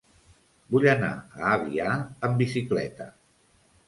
Vull anar a Avià amb bicicleta.